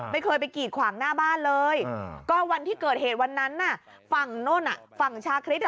ไม่เคยไปกีดขวางหน้าบ้านเลยก็วันที่เกิดเหตุวันนั้นน่ะฝั่งโน่นฝั่งชาคริส